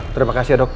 terima kasih dok